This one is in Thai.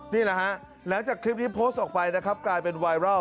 นี่แหละฮะหลังจากคลิปนี้โพสต์ออกไปนะครับกลายเป็นไวรัล